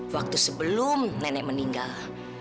waktu sebelum nenek meninggal